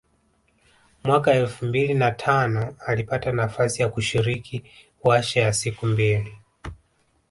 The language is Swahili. Mwaka elfu mbili na tano alipata nafasi ya kushiriki warsha ya siku mbili